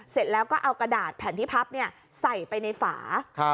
เสร็จแล้วก็เอากระดาษแผ่นที่พับใส่ไปในฝา